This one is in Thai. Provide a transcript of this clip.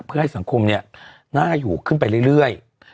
เพื่อให้สังคมน่าอยู่ขึ้นไปเรื่อย